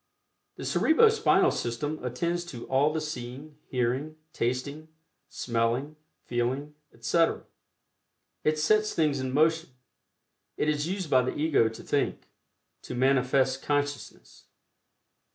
The Cerebro Spinal System attends to all the seeing, hearing, tasting, smelling, feeling, etc. It sets things in motion; it is used by the Ego to think to manifest consciousness.